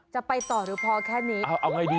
จะไปต่อหรือพอแค่นี้เอาเอาไงดี